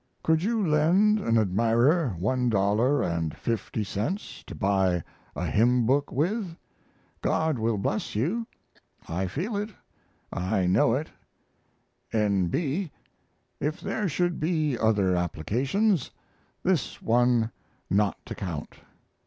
Could you lend an admirer $1.50 to buy a hymn book with? God will bless you. I feel it; I know it. N. B. If there should be other applications, this one not to count.